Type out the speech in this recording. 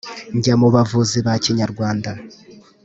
njya mu bavuzi ba kinyarwanda